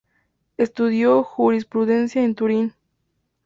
Estudió jurisprudencia en Turín.